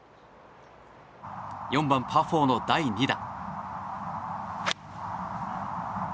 ４番、パー４の第２打。